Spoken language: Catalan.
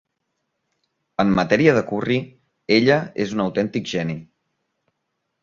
En matèria de curri, ella és un autèntic geni.